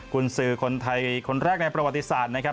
คุณซื้อคนแรกในประวัติศาสตร์นะครับ